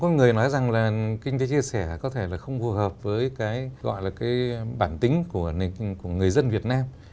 có người nói rằng là kinh tế chia sẻ có thể là không phù hợp với cái gọi là cái bản tính của người dân việt nam